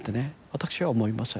私は思いません。